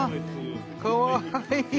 かわいい。